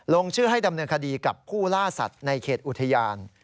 ลงชื่อให้ดำเนินคดีกับผู้ล่าสัตว์ในเขตอุทยาน